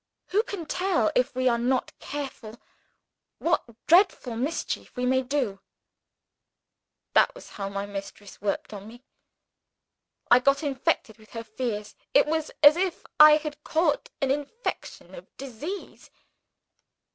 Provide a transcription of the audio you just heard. Who can tell (if we are not careful) what dreadful mischief we may do?' That was how my mistress worked on me. I got infected with her fears; it was as if I had caught an infection of disease.